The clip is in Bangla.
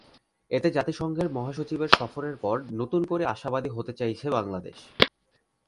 এতে জাতিসংঘের মহাসচিবের সফরের পর নতুন করে আশাবাদী হতে চাইছে বাংলাদেশ।